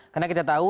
karena kita tahu